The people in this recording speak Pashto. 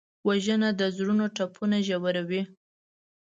وژنه د زړونو ټپونه ژوروي